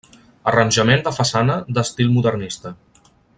Arranjament de façana d'estil modernista.